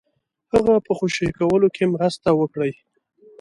هغه په خوشي کولو کې مرسته وکړي.